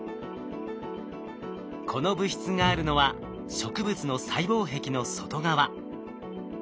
この物質があるのは植物の細胞壁の外側。